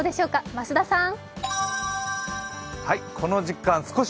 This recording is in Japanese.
増田さん。